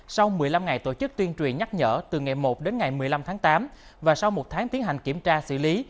sau một mươi năm ngày tổ chức tuyên truyền nhắc nhở từ ngày một đến ngày một mươi năm tháng tám và sau một tháng tiến hành kiểm tra xử lý